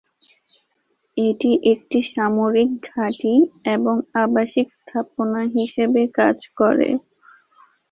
এটি একটি সামরিক ঘাঁটি এবং আবাসিক স্থাপনা হিসেবে কাজ করে।